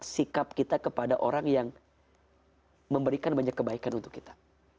sikap kita kepada orang yang memberikan banyak kebaikan untuk kita